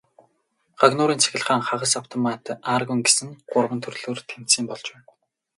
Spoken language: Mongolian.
Гагнуурын цахилгаан, хагас автомат, аргон гэсэн гурван төрлөөр тэмцээн болж байна.